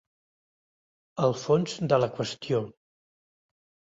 El fons de la qüestió.